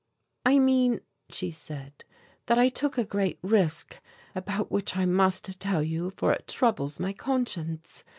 "I mean," she said, "that I took a great risk about which I must tell you, for it troubles my conscience.